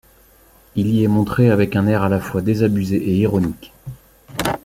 Il y est montré avec un air à la fois désabusé et ironique.